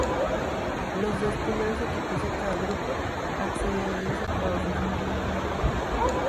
Los dos primeros equipos de cada grupo accedieron a los octavos de final.